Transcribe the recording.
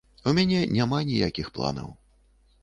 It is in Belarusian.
У мяне няма ніякіх планаў.